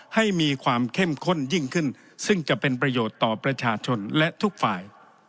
ให้มีความเข้มข้นยิ่งขึ้นซึ่งจะเป็นประโยชน์ต่อประชาชนและทุกฝ่าย